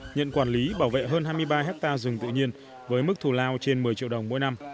nhận quản lý bảo vệ hơn hai mươi ba hectare rừng tự nhiên với mức thù lao trên một mươi triệu đồng mỗi năm